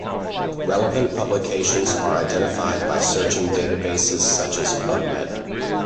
Relevant publications are identified by searching databases such as PubMed.